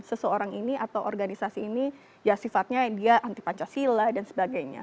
karena orang lain yang diperkenalkan oleh organisasi ini ya sifatnya dia anti pancasila dan sebagainya